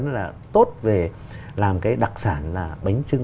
rất là tốt về làm cái đặc sản là bánh trưng